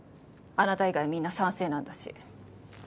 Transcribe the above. あなた以外みんな賛成なんだし。